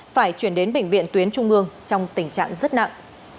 phải chuyển đến bệnh viện tuyến trung ương trong tình trạng rất nặng